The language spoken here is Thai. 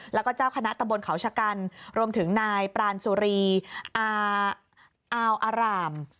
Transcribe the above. แล้วก็เจ้าคณะตำบลเขาชะกันรวมถึงนายปรานสุรีอาวอาราม